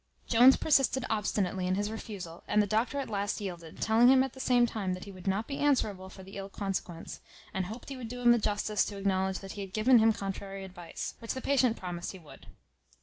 Jones persisted obstinately in his refusal, and the doctor at last yielded; telling him at the same time that he would not be answerable for the ill consequence, and hoped he would do him the justice to acknowledge that he had given him a contrary advice; which the patient promised he would.